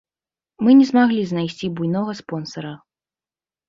Мы не змаглі знайсці буйнога спонсара.